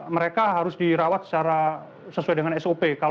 mereka harus dirawat secara sesuai dengan sop